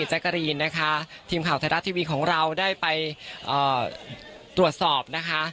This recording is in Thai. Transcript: แจ๊กกะรีนนะคะทีมข่าวไทยรัฐทีวีของเราได้ไปตรวจสอบนะคะ